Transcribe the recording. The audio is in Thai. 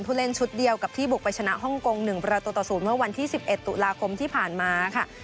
ผู้เล่นชุดเดียวกับที่บุกไปชนะฮ่องกงหนึ่งประตูต่อสูตรเมื่อวันที่สิบเอ็ดตุลาคมที่ผ่านมาค่ะ